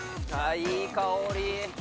いい香り！